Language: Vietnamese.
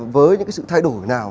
với những sự thay đổi nào